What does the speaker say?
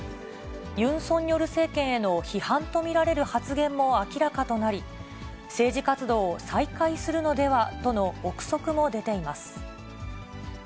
ユン・ソンニョル政権への批判と見られる発言も明らかとなり、政治活動を再開するのではとの臆測も出ています。